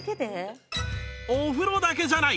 お風呂だけじゃない。